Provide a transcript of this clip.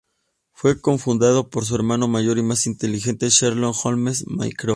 Fue cofundado por el hermano mayor y más inteligente de Sherlock Holmes, Mycroft.